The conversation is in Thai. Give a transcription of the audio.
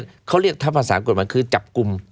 เขาเรียกถ้าภาษากฎหมายคือจับกลุ่ม